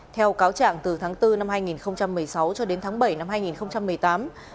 theo cáo trạng từ tháng bốn năm hai nghìn một mươi sáu cho đến tháng bảy năm hai nghìn một mươi tám